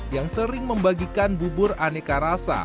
yang sering membagikan bubur aneka rasa